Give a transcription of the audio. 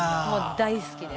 大好きで。